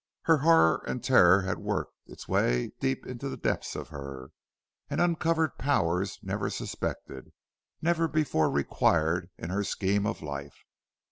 Her horror and terror had worked its way deep into the depths of her and uncovered powers never suspected, never before required in her scheme of life.